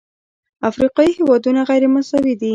افریقایي هېوادونه غیرمساوي دي.